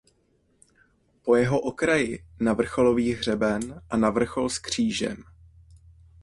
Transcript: Po jeho okraji na vrcholový hřeben a na vrchol s křížem.